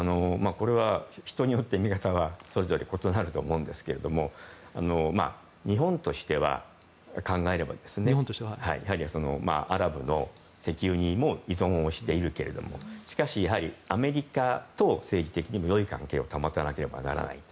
これは人によって見方はそれぞれ異なると思うんですけど日本として考えればアラブの石油にも依存しているけれどもしかし、アメリカと政治的にも良い関係を保たなければいけない。